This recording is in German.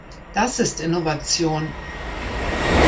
Das ist Innovation.